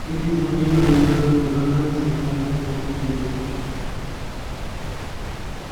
It is only available for versions of Microsoft Windows.